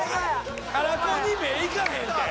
カラコンに目いかへんて！